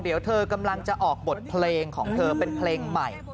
เดี๋ยวเธอกำลังจะออกบทเพลงของเธอเป็นเพลงใหม่